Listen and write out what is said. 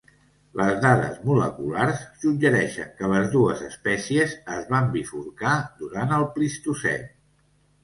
Les dades moleculars suggereixen que les dues espècies es van bifurcar durant el plistocè.